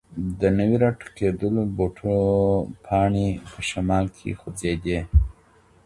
د نوي راټوکېدلو بوټو پاڼې په شمال کې خوځېدې.